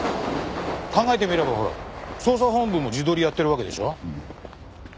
考えてみればほら捜査本部も地取りやってるわけでしょ？